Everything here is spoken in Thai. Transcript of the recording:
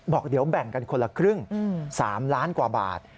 บอกเดี๋ยวแบ่งกันคนละครึ่ง๓ล้านกว่าบาท